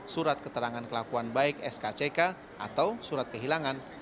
surat keterangan kelakuan baik skck atau surat kehilangan